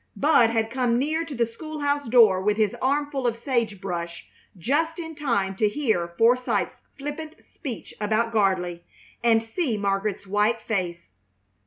Bud had come near to the school house door with his armful of sage brush just in time to hear Forsythe's flippant speech about Gardley and see Margaret's white face.